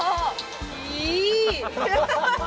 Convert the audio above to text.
いい！